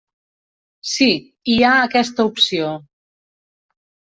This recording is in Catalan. Sí, hi ha aquesta opció.